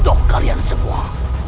bodoh kalian semua